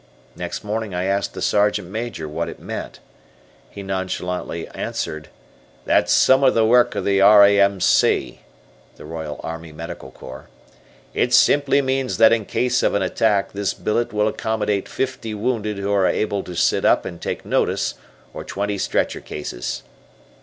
Next morning I asked the Sergeant Major what it meant. He nonchalantly answered: "That's some of the work of the R. A. M. C. (Royal Army Medical Corps). It simply means that in case of an attack, this billet will accommodate fifty wounded who are able to sit up and take notice, or twenty stretcher cases."